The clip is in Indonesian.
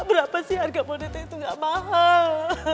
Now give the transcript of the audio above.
berapa sih harga boneka itu gak mahal